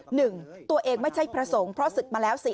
หนึ่งตัวเองไม่ใช่พระสงฆ์เพราะศึกมาแล้วสี่